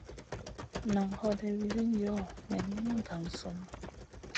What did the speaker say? Nan hoday wilin yoh? Nen min gang sunu.